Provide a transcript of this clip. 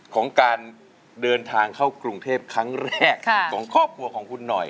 ของการเดินทางเข้ากรุงเทพครั้งแรกของครอบครัวของคุณหน่อย